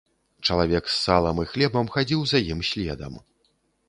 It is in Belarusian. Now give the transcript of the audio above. Чалавек з салам і хлебам хадзіў за ім следам.